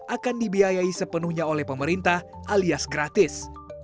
akan dibiayai sepenuhnya oleh pemerintah alias gratis